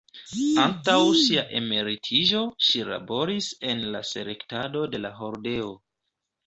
Antaŭ sia emeritiĝo, ŝi laboris en la selektado de la hordeo.